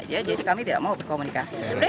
jadi kami tidak mau berkomunikasi